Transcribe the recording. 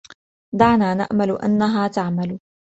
دعنا نأمل أنها تعمل.